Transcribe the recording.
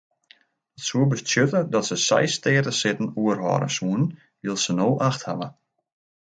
Dat soe betsjutte dat se seis steatesitten oerhâlde soenen wylst se no acht hawwe.